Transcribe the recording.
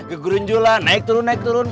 gugurun juga lah naik turun naik turun